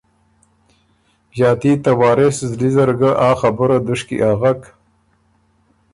ݫاتی ته وارث زلی زر ګه ا خبُره دُشکی اغک